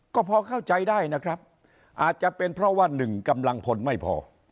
ก็พอเข้าใจได้นะครับอาจจะเป็นเพราะว่าหนึ่งกำลังพลไม่พอ